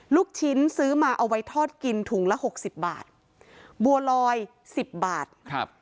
ลูกชิ้นซื้อมาเอาไว้ทอดกินถุงละหกสิบบาทบัวลอยสิบบาทครับ